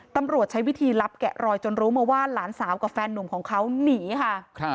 ตำรวจใช้วิธีรับแกะรอยจนรู้มาว่าหลานสาวกับแฟนหนุ่มของเขาหนีค่ะ